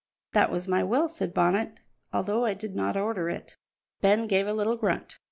"That was my will," said Bonnet, "although I did not order it." Ben gave a little grunt.